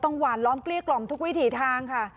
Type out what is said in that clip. หวานล้อมเกลี้ยกล่อมทุกวิถีทางค่ะ